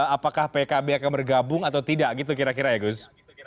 apakah pkb akan bergabung atau tidak gitu kira kira ya gus